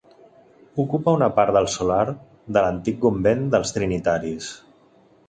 Ocupa una part del solar de l'antic convent dels Trinitaris.